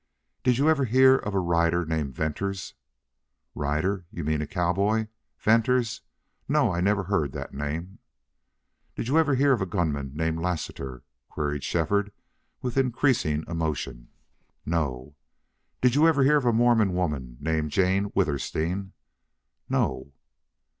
"Did you ever hear of a rider named Venters?" "Rider? You mean a cowboy? Venters. No, I never heard that name." "Did you ever hear of a gunman named Lassiter?" queried Shefford, with increasing emotion. "No." "Did you ever hear of a Mormon woman named Jane Withersteen?" "No."